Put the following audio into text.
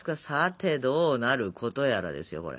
さてどうなることやらですよ